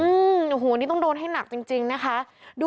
อืมนี่ต้องโดนให้หนักจริงนะคะ